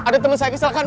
ada temen saya kesalahan